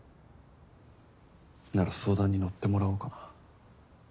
なら相談に乗ってもらおうかな。